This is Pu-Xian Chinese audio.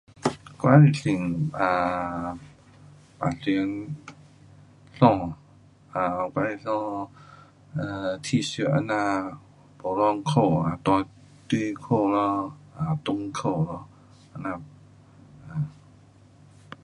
我喜欢穿，啊，平常衣，啊，我的衣，呃，t-shirt 这样，普通裤啊，带短裤咯，长裤咯。这样，啊